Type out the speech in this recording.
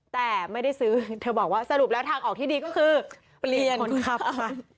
แต่ไม่ได้ซื้อเธอบอกว่าสรุปแล้วทางออกที่ดีก็คือเปลี่ยนคนขับค่ะ